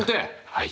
はい。